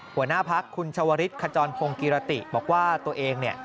หัวหน้าพักคุณชวริชขจรภงกิรติบอกว่าตัวเอง